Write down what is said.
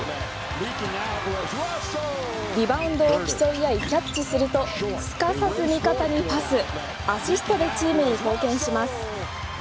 リバウンドを競い合いキャッチするとすかさず味方にパスアシストでチーム貢献します。